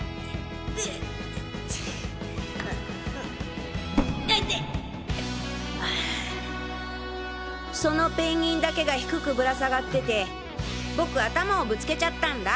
イテテイテッそのペンギンだけが低くぶら下がってて僕頭をぶつけちゃったんだ。